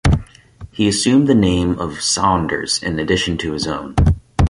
He assumed the name of Saunders in addition to his own.